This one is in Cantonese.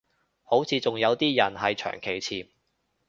好似仲有啲人係長期潛